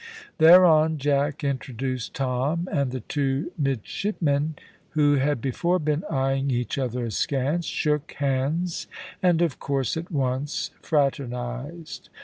Thereon Jack introduced Tom, and the two midshipmen, who had before been eyeing each other askance, shook hands, and of course at once fraternised.